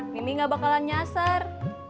mimi gak bakalan nyasar